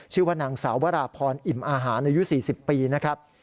ชื่อว่านางสาววราพรอิ่มอาหารอายุ๔๐ปีนะครับ